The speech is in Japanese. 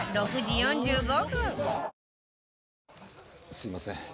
すいません。